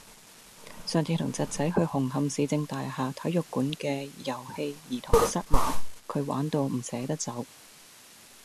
上次同侄仔去紅磡市政大廈體育館嘅兒童遊戲室玩，佢玩到唔捨得走。